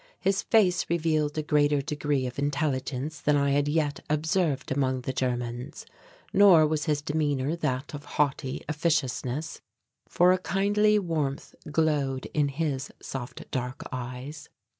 His face revealed a greater degree of intelligence than I had yet observed among the Germans, nor was his demeanour that of haughty officiousness, for a kindly warmth glowed in his soft dark eyes.